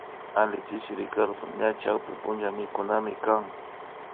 Alli chishi Ricardo ña chawpunchamikunamikan